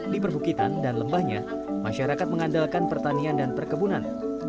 di perbukitan dan lembahnya masyarakat mengandalkan pertanian dan perkebunan